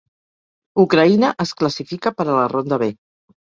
Ucraïna es classifica per a la ronda B.